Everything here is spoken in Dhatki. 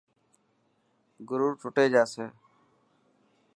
گرور ٽٽي جاسي.